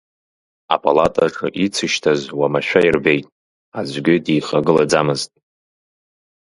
Апалатаҿы ицышьҭаз уамашәа ирбеит, аӡәгьы дихагылаӡамызт…